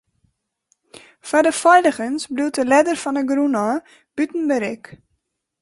Foar de feiligens bliuwt de ljedder fan 'e grûn ôf bûten berik.